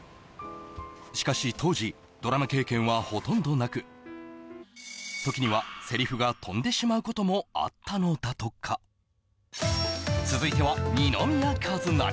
しかし当時ドラマ経験はほとんどなく時にはセリフが飛んでしまうこともあったのだとか続いては二宮和也